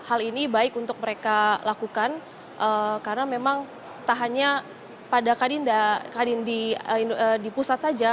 hal ini baik untuk mereka lakukan karena memang tak hanya pada kadin di pusat saja